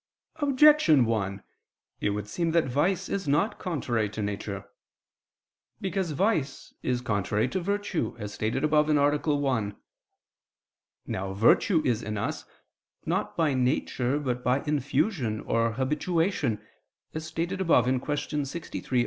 Objection 1: It would seem that vice is not contrary to nature. Because vice is contrary to virtue, as stated above (A. 1). Now virtue is in us, not by nature but by infusion or habituation, as stated above (Q. 63, AA.